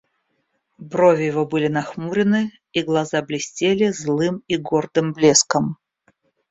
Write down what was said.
Брови его были нахмурены, и глаза блестели злым и гордым блеском.